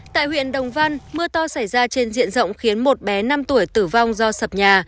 tại huyện đồng văn mưa to xảy ra trên diện rộng khiến một bé năm tuổi tử vong do sập nhà